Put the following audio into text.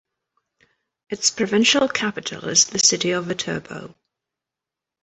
Its provincial capital is the city of Viterbo.